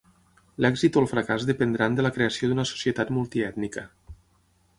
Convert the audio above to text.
L'èxit o el fracàs dependran de la creació d'una societat multiètnica.